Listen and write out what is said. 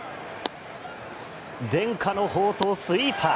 伝家の宝刀、スイーパー。